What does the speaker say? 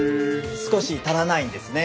少し足らないんですね。